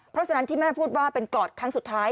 เพราะฉะนั้นที่แม่พูดว่าเป็นกรอดครั้งสุดท้าย